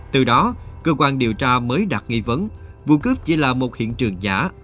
từ đó cơ quan điều tra mới đặt nghi vấn vụ cướp chỉ là một hiện trường giả